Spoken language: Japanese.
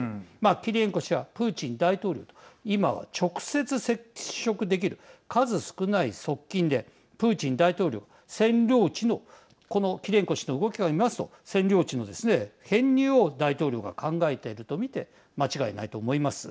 キリエンコ氏はプーチン大統領と今は直接、接触できる数少ない側近でプーチン大統領、占領地のこのキリエンコ氏の動きを見ますと占領地のですね編入を大統領が考えていると見て間違いないと思います。